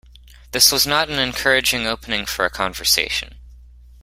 This was not an encouraging opening for a conversation.